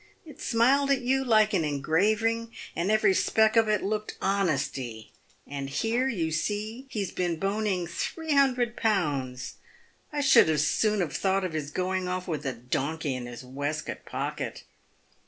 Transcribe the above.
It smiled at you like an engraving, and every speck of it looked honesty. And here, you see he's been boning three hundred pounds ! I should as soon of thought of his going off with a donkey in his waistcoat pocket.